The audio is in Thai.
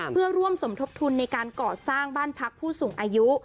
เพื่อร่วมสมทบทุนในการก่อสร้างบ้านพักผู้สูงอายุ